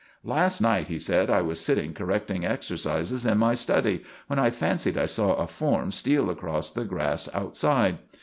"Last night," he said, "I was sitting correcting exercises in my study when I fancied I saw a form steal across the grass outside.